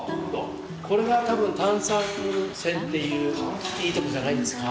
これが多分炭酸泉っていういいとこじゃないですか。